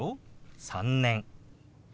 「３年」。